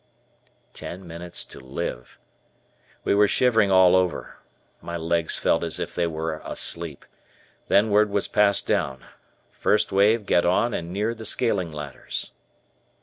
Ten minutes to live! We were shivering all over. My legs felt as if they were asleep. Then word was passed down: "First wave get on and near the scaling ladders."